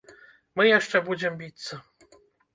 Мы яшчэ будзем біцца.